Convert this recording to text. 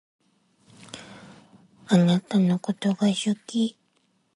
あなたのことが好き。